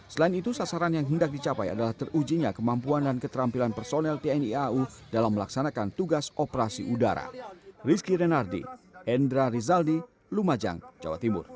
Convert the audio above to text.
selain itu sasaran yang hendak dicapai adalah terujinya kemampuan dan keterampilan personel tni au dalam melaksanakan tugas operasi udara